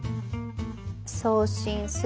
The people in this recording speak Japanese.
「送信する」？